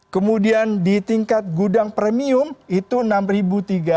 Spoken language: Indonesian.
kemudian di tingkat gudang premium itu rp enam tiga ratus